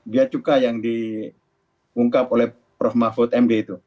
biaya cukai yang diungkap oleh prof mahfud md itu